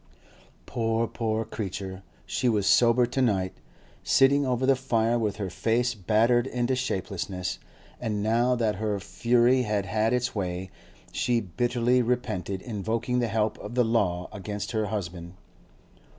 Poor, poor creature. She was sober to night, sitting over the fire with her face battered into shapelessness; and now that her fury had had its way, she bitterly repented invoking the help of the law against her husband.